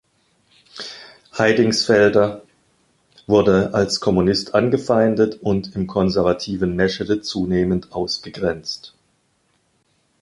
Heidingsfelder wurde als Kommunist angefeindet und im konservativen Meschede zunehmend ausgegrenzt.